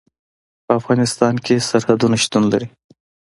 په افغانستان کې سرحدونه شتون لري.